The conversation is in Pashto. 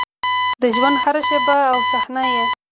د ژونـد هـره شـيبه او صحـنه يـې